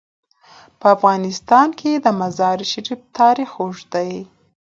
په افغانستان کې د مزارشریف تاریخ اوږد دی.